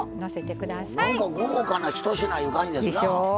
なんか豪華な１品いう感じですな。でしょう。